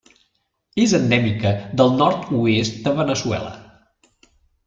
És endèmica del nord-oest de Veneçuela.